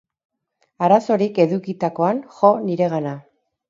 Arazorik edukitakoan, jo niregana.